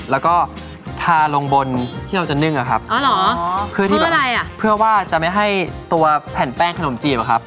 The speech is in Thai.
แล้วก็ทาลงบนที่เราจะนึ่งอะครับอ๋อเหรอคือที่แบบเพื่อว่าจะไม่ให้ตัวแผ่นแป้งขนมจีบอะครับ